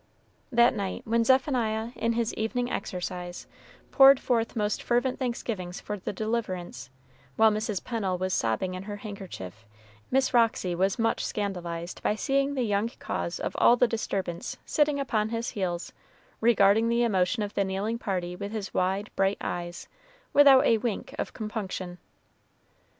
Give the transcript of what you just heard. That night, when Zephaniah, in his evening exercise, poured forth most fervent thanksgivings for the deliverance, while Mrs. Pennel was sobbing in her handkerchief, Miss Roxy was much scandalized by seeing the young cause of all the disturbance sitting upon his heels, regarding the emotion of the kneeling party with his wide bright eyes, without a wink of compunction.